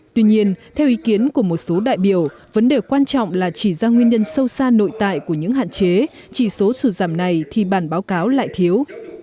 tuy nhiên theo ý kiến của một số đại biểu vấn đề quan trọng là chỉ ra nguyên nhân sâu xa nội tại của những hạn chế chỉ số sụt giảm này thì bản báo cáo lại thiếu